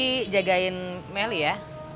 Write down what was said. maaf di jagain melly ya